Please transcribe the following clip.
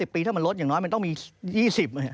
ปีถ้ามันลดอย่างน้อยมันต้องมี๒๐